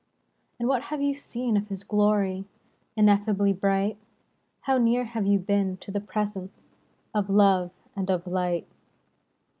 And what have you seen of His glory, Ineffably bright? How near have you been to the Presence Of love and of light